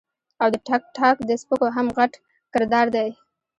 او د ټک ټاک د سپکو هم غټ کردار دے -